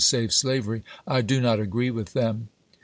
save slavery, I do not agree with them.